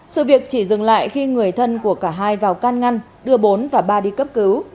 sự việc chỉ dừng lại khi người thân của cả hai vào can ngăn đưa bốn và ba đi cấp cứu